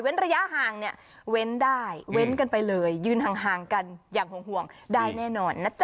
ระยะห่างเนี่ยเว้นได้เว้นกันไปเลยยืนห่างกันอย่างห่วงได้แน่นอนนะจ๊